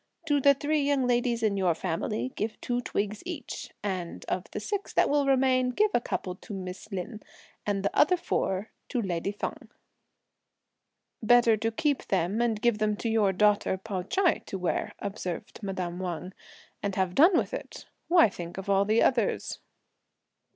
To the three young ladies in your family give two twigs each, and of the six that will remain give a couple to Miss Lin, and the other four to lady Feng." "Better keep them and give them to your daughter Pao Ch'ai to wear," observed madame Wang, "and have done with it; why think of all the others?"